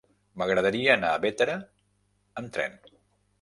M'agradaria anar a Bétera amb tren.